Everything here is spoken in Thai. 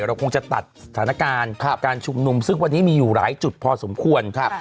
เราคงจะตัดสถานการณ์การชุมนุมซึ่งวันนี้มีอยู่หลายจุดพอสมควร